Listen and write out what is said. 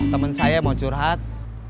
temen saya mau curhat